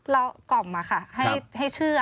กล่อมมาค่ะให้เชื่อ